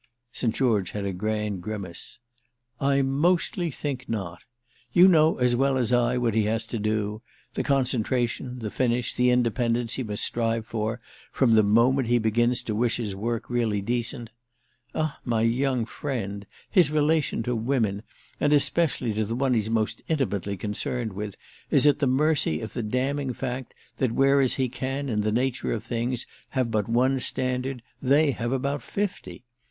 St. George had a grand grimace. "I mostly think not. You know as well as I what he has to do: the concentration, the finish, the independence he must strive for from the moment he begins to wish his work really decent. Ah my young friend, his relation to women, and especially to the one he's most intimately concerned with, is at the mercy of the damning fact that whereas he can in the nature of things have but one standard, they have about fifty.